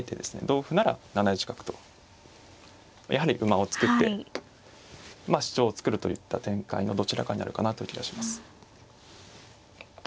同歩なら７一角とやはり馬を作って主張を作るといった展開のどちらかになるかなという気がします。